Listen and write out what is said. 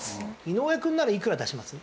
井上くんならいくら出します？